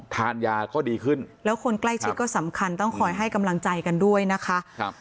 ทานยาก็ดีขึ้นแล้วคนใกล้ชิดก็สำคัญต้องคอยให้กำลังใจกันด้วยนะคะครับ